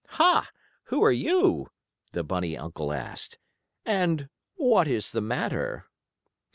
"Ha! Who are you?" the bunny uncle asked, "and what is the matter?"